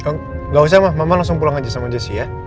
nggak usah mah mama langsung pulang aja sama jessi ya